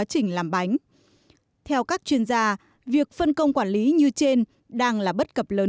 hật h contrôle